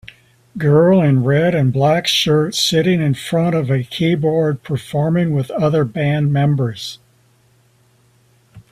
Girl in red and black shirt sitting in front of a keyboard performing with other band members.